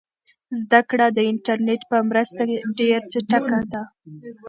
زده کړه د انټرنیټ په مرسته ډېره چټکه ده.